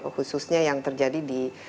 khususnya yang terjadi di